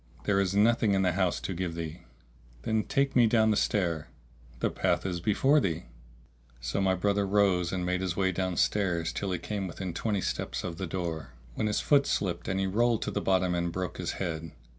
"There is nothing in the house to give thee." "Then take me down the stair." "The path is before thee." So my brother rose and made his way downstairs, till he came within twenty steps of the door, when his foot slipped and he rolled to the bottom and broke his head.